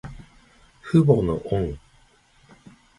父母の恩。